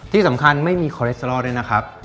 ที่สำคัญไม่มีคอเลสเตอรอลด้วยนะครับ